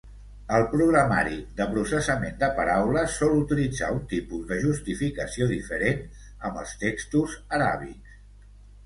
El programari de processament de paraules sol utilitzar un tipus de justificació diferent amb els textos aràbics.